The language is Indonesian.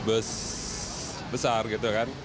bus besar gitu kan